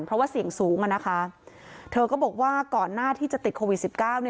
เพราะว่าเสี่ยงสูงอ่ะนะคะเธอก็บอกว่าก่อนหน้าที่จะติดโควิด๑๙